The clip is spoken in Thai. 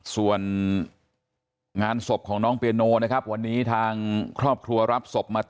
ส่วนงานศพของน้องเปียโนนะครับวันนี้ทางครอบครัวรับศพมา